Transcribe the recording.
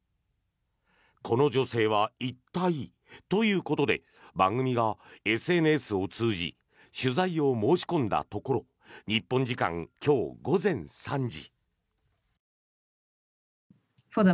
この女性は一体？ということで番組がＳＮＳを通じ取材を申し込んだところ日本時間今日午前３時。